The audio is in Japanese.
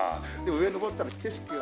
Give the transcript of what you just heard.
上上ったら景色は。